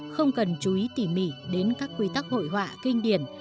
không cần chú ý tỉ mỉ đến các quy tắc hội họa kinh điển